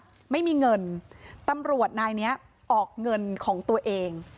ไม่มีเงินตำรวจนายเนี้ยออกเงินของตัวเอง